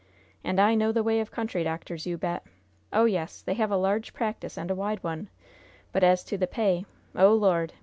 And I know the way of country doctors, you bet! Oh, yes, they have a large practice and a wide one; but, as to the pay oh, Lord!